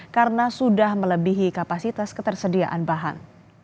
karena sudah melebihi kapasitas ketersediaan bahan